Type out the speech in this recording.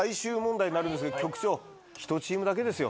局長１チームだけですよ。